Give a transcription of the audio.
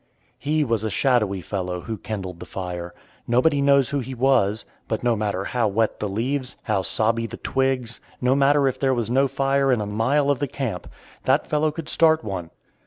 He was a shadowy fellow who kindled the fire. Nobody knows who he was; but no matter how wet the leaves, how sobby the twigs, no matter if there was no fire in a mile of the camp, that fellow could start one.